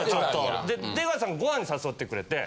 出川さんがご飯に誘ってくれて。